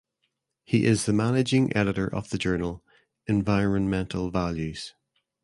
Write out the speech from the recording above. He is the managing editor of the journal "Environmental Values".